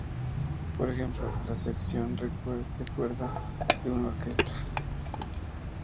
Por ejemplo, la sección de cuerda de una orquesta.